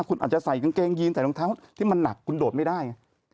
คุณอาจจะใส่กางเกงยีนใส่รองเท้าที่มันหนักคุณโดดไม่ได้